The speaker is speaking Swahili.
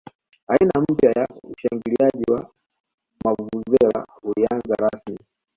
aina mpya ya ushangiliaji wa mavuvuzela ulianza rasmi